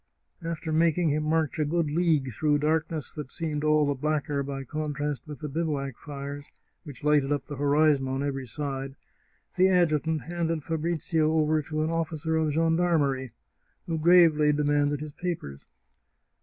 After making him march a good league through dark ness that seemed all the blacker by contrast with the bivouac fires, which lighted up the horizon on every side, the ad jutant handed Fabrizio over to an officer of gendarmerie, who gravely demanded his papers.